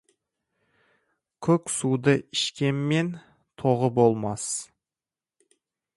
Көк суды ішкенмен, тоғы болмас.